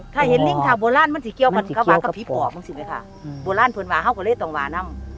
ถ้าเห็นลิ่งท่าโบหลานมันสิเกียวกับปอบออกนั่นสิเลยค่ะโบหลานผนวาห้องก็เลยต้องวาน่ำ